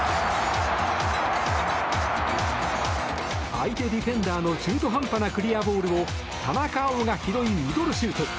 相手ディフェンダーの中途半端なクリアボールを田中碧が拾い、ミドルシュート！